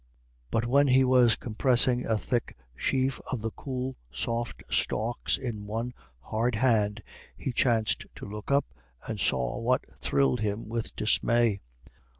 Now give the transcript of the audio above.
But when he was compressing a thick sheaf of the cool soft stalks in one hard hand, he chanced to look up, and saw what thrilled him with dismay.